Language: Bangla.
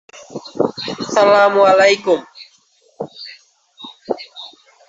নবদ্বীপ তথা নদিয়ার সাহিত্য-সংস্কৃতি-ইতিহাস চর্চার ক্ষেত্রে এক বিশিষ্ট ব্যক্তিত্ব।